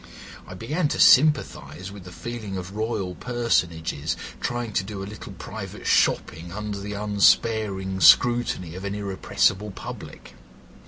I began to sympathise with the feeling of Royal personages trying to do a little private shopping under the unsparing scrutiny of an irrepressible public.